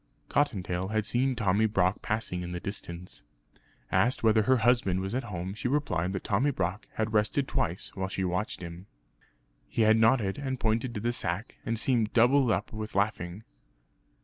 Cottontail had seen Tommy Brock passing in the distance. Asked whether her husband was at home she replied that Tommy Brock had rested twice while she watched him. He had nodded, and pointed to the sack, and seemed doubled up with laughing.